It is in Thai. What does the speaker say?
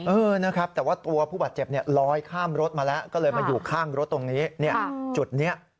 เออนะครับแต่ว่าตัวผู้บาดเจ็บเนี่ยลอยข้ามรถมาแล้วก็เลยมาอยู่ข้างรถตรงนี้เนี่ยจุดนี้